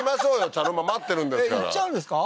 茶の間待ってるんですからえっいっちゃうんですか？